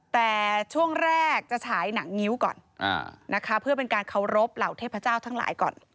แต่ช่วงแรกจะฉายหนังงิ้วก่อนนะคะเพื่อเป็นการเคารพเหล่าเทพเจ้าทั้งหลายก่อน